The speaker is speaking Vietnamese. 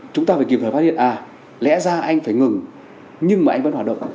chúng ta phải kịp thời phát hiện à lẽ ra anh phải ngừng nhưng mà anh vẫn hoạt động